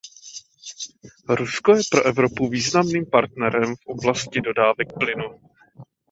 Rusko je pro Evropu významným partnerem v oblasti dodávek plynu.